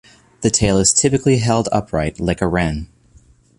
The tail is typically held upright, like a wren.